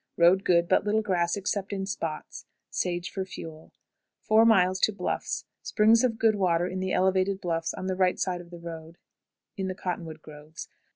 Road good, but little grass except in spots. Sage for fuel. 4. Bluffs. Springs of good water in the elevated bluffs on the right of the road in the cottonwood groves.